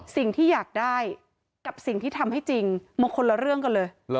สิ่งที่อยากได้กับสิ่งที่ทำให้จริงมันคนละเรื่องกันเลย